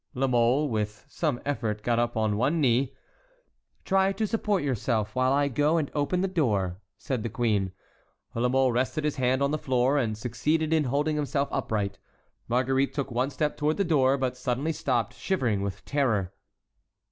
La Mole with some effort got up on one knee. "Try to support yourself while I go and open the door," said the queen. La Mole rested his hand on the floor and succeeded in holding himself upright. Marguerite took one step toward the door, but suddenly stopped, shivering with terror.